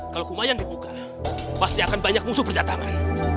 kalau lumayan dibuka pasti akan banyak musuh berdatangan